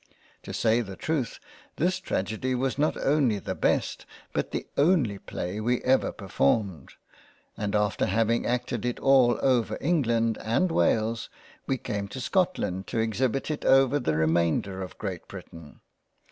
To say the truth this tragedy was not only the Best, but the only Play we ever performed ; and after having acted it all over England, and Wales, we came to Scotland to exhibit it over the remainder of Great Britain.